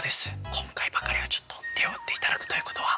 今回ばかりはちょっと手を打っていただくということは？